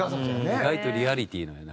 意外とリアリティーなんやな。